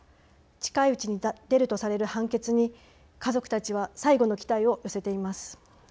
近いうちに出るとされる判決に家族たちは最後の期待を寄せています。